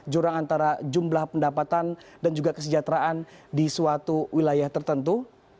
jurang antara jumlah pendapatan dan juga kesejahteraan di suatu wilayah tertentu